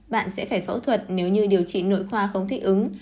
bạn sẽ phải phẫu thuật nếu như điều trị nội khoa không thích ứng